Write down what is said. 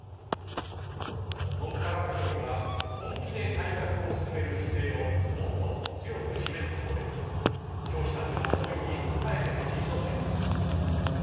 文部科学省には本気で改革を進める姿勢をもっと強く示すことで教師たちの思いに応えてほしいと思います。